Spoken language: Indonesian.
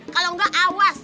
kalau enggak awas